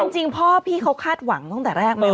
จริงพ่อพี่เขาคาดหวังตั้งแต่แรกไหม